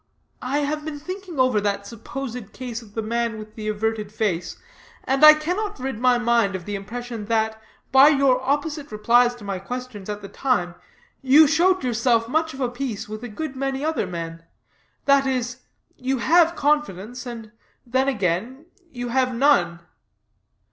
I have been thinking over that supposed case of the man with the averted face, and I cannot rid my mind of the impression that, by your opposite replies to my questions at the time, you showed yourself much of a piece with a good many other men that is, you have confidence, and then again, you have none.